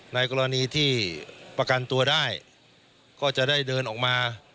ในกรณีที่ประกันตัวได้ก็จะได้เดินออกมา